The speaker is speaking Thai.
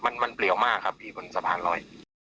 มันมันเปลี่ยวมากครับพี่บนสะพานลอย